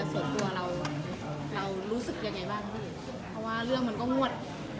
ส่วนตัวเรารู้สึกยังไงว่าเรื่องนั้นก็งวด